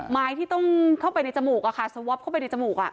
ไม้ที่ต้องเข้าไปในจมูกอะค่ะสวอปเข้าไปในจมูก